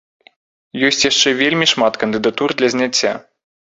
Ёсць яшчэ вельмі шмат кандыдатур для зняцця.